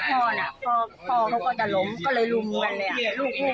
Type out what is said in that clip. ถือมีดก็เลยถอยกันออกมา